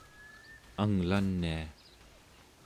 anglania